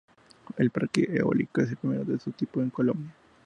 El parque eólico es el primero de su tipo en Colombia.